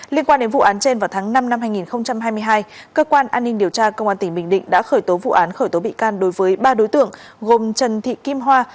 liên quan đến vụ án trên vào tháng năm năm hai nghìn hai mươi hai cơ quan an ninh điều tra công an tỉnh bình định đã khởi tố vụ án khởi tố bị can đối với ba đối tượng gồm trần thị kim hoa